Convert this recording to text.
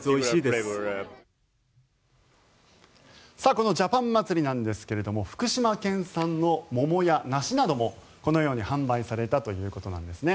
このジャパン祭りなんですが福島県産の桃や梨なども販売されたということなんですね。